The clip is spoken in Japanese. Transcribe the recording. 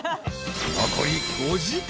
［残り５時間。